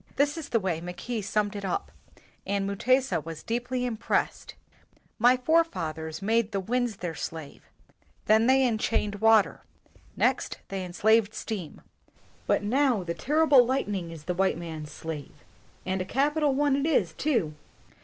This is the way Mackay summed it up, and Mutesa was deeply impressed: "My forefathers made the wind their slave ; then they enchained water; next they enslaved steam; but now the terrible lightning is the white man's slave, and a capital one it is, too!"